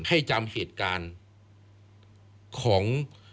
ให้จำเหตุการณ์ของ